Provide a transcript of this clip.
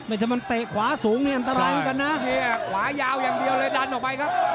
ถ้ามันเตะขวาสูงนี่อันตรายเหมือนกันนะเฮขวายาวอย่างเดียวเลยดันออกไปครับ